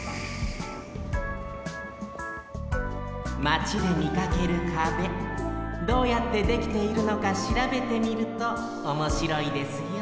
マチでみかける壁どうやってできているのかしらべてみるとおもしろいですよ